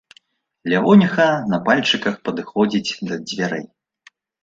Лявоніха на пальчыках падыходзіць да дзвярэй.